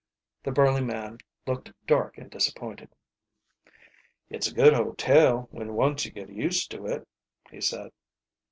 The burly man looked dark and disappointed. "It's a good hotel, when once you get used to it," he said.